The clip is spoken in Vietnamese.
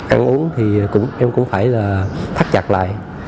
ăn uống thì em cũng phải là thắt chặt lại